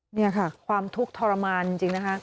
นี่ค่ะความทุกข์ทรมานจริงนะคะ